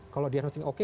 kalau diagnostiknya oke